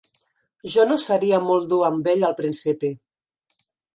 Jo no seria molt dur amb ell al principi.